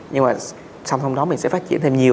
nhưng mà sau đó mình sẽ phát triển thêm nhiều